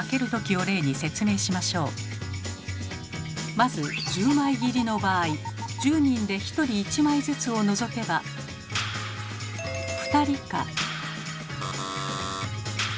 まず１０枚切りの場合１０人で１人１枚ずつを除けば２人か。